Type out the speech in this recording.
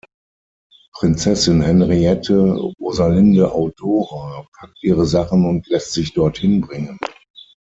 Prinzessin Henriette-Rosalinde-Audora packt ihre Sachen und lässt sich dorthin bringen.